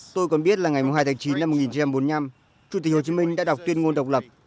tôi còn biết là ngày hai tháng chín năm một nghìn chín trăm bốn mươi năm chủ tịch hồ chí minh đã đọc tuyên ngôn độc lập